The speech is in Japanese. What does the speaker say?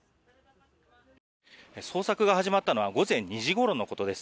捜索が始まったのは午前２時ごろのことです。